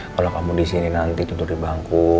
kalau kamu disini nanti tutup di bangku